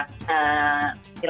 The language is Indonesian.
nilai ekstra lah gitu kan